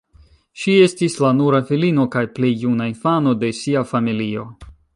Ŝi estis la nura filino kaj plej juna infano de sia familio.